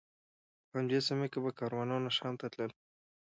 په همدې سیمه به کاروانونه شام ته تلل.